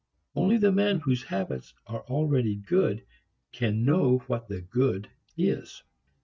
Only the man whose habits are already good can know what the good is.